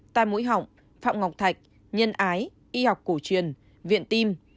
tai mũi họng phạm ngọc thạch nhân ái y học cổ truyền viện tim